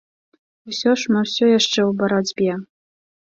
Усё ж, мы ўсё яшчэ ў барацьбе.